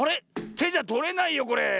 てじゃとれないよこれ。